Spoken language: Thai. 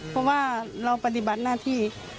เพราะว่าเราปฏิบัติหน้าที่